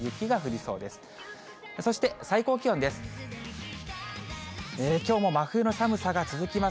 そして最高気温です。